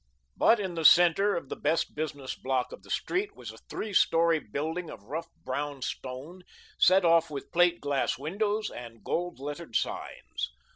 But in the centre of the best business block of the street was a three story building of rough brown stone, set off with plate glass windows and gold lettered signs.